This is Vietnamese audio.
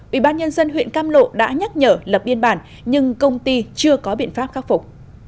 ủy ban nhân dân huyện cam lộ đã nhắc nhở lập biên bản nhưng công ty chưa có biện pháp khắc phục